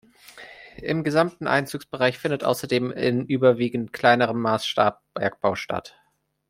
Im gesamten Einzugsbereich findet außerdem in überwiegend kleinerem Maßstab Bergbau statt.